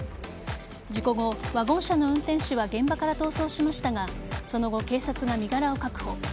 事故後、ワゴン車の運転手は現場から逃走しましたがその後、警察が身柄を確保。